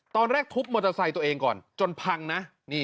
ตอนแรกทุบมอเตอร์ไซค์ตัวเองก่อนจนพังนะ